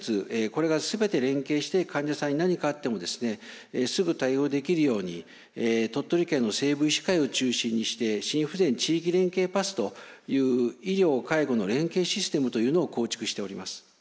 これが全て連携して患者さんに何かあってもすぐ対応できるように鳥取県の西部医師会を中心にして心不全地域連携パスという医療・介護の連携システムというのを構築しております。